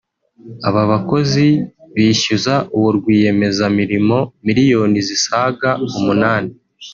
Aba bakozi bishyuza uwo rwiyemeza mirimo miriyoni zisaga umunani